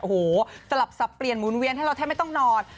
โอ้โหสลับสับเปลี่ยนหมุนเวียนให้เราแทบไม่ต้องนอน